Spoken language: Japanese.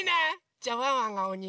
じゃあワンワンがおに！